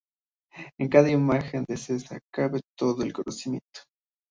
En cada imagen de Sessa cabe todo el conocimiento.